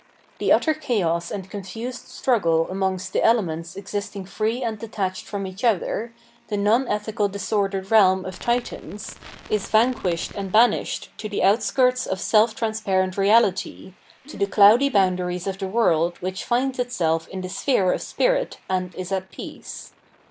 The utter chaos and confused struggle amongst the elements existing free and detached from each other, the non ethical dis ordered realm of Titans, is vanquished and banished to the outskirts of self transparent reahty, to the cloudy boundaries of the world which finds itself in the sphere of spirit and is at peace.